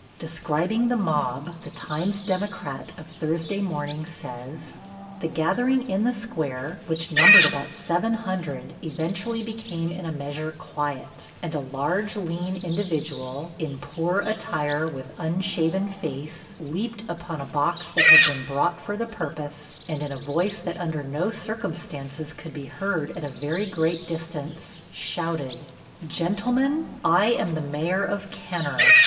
Describing the mob, the Times Democrat of Thursday morning says: The gathering in the square, which numbered about 700, eventually became in a measure quiet, and a large, lean individual, in poor attire and with unshaven face, leaped upon a box that had been brought for the purpose, and in a voice that under no circumstances could be heard at a very great distance, shouted: "Gentlemen, I am the Mayor of Kenner."